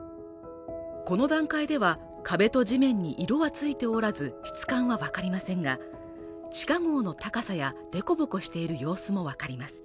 この段階では壁と地面に色はついておらず質感は解りませんが地下壕の高さやでこぼこしている様子も分かります